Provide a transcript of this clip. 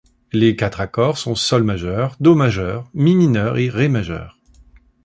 Les quatre accords sont Sol majeur, Do majeur, Mi mineur et Ré majeur.